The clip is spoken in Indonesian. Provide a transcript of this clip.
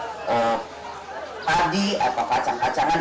bbm bisa rentuan bbm bisa didapat untuk masyarakat yang miskin